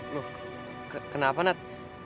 loh kenapa nat